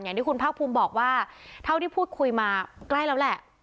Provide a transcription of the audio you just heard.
อย่างที่คุณภาคภูมิบอกว่าเท่าที่พูดคุยมาใกล้แล้วแหละ